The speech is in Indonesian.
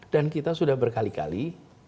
dan kita sudah berkali kali